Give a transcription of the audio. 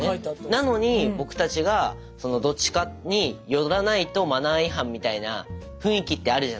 なのに僕たちがそのどっちかに寄らないとマナー違反みたいな雰囲気ってあるじゃないですか。